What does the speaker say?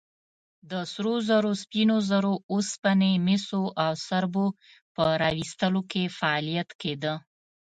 د سرو زرو، سپینو زرو، اوسپنې، مسو او سربو په راویستلو کې فعالیت کېده.